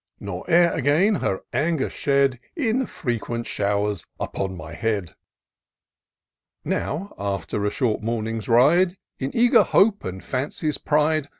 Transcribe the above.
Nor e'er again her anger shed In frequent showers upon my head !" Now, after a short morning's ride, In eager hope and fancy's pride.